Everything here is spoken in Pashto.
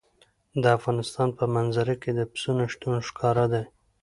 د افغانستان په منظره کې د پسونو شتون ښکاره دی.